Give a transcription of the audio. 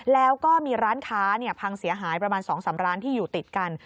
แล้วก็มีร้านค้าพังเสียหายประมาณ๒๓ร้านที่อยู่ติดกัน